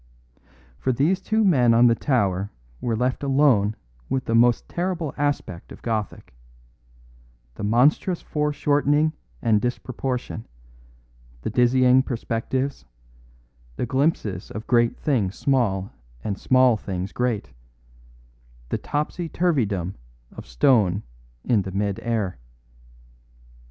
For these two men on the tower were left alone with the most terrible aspect of Gothic; the monstrous foreshortening and disproportion, the dizzy perspectives, the glimpses of great things small and small things great; a topsy turvydom of stone in the mid air.